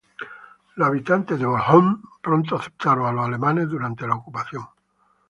Los habitantes de Bornholm pronto aceptaron a los alemanes durante la ocupación.